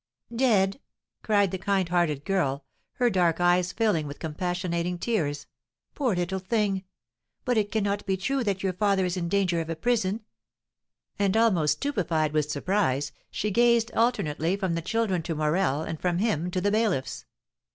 "Dead!" cried the kind hearted girl, her dark eyes filling with compassionating tears; "poor little thing! But it cannot be true that your father is in danger of a prison;" and, almost stupefied with surprise, she gazed alternately from the children to Morel, and from him to the bailiffs.